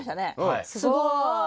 すごい。